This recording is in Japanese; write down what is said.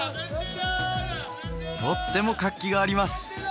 とっても活気があります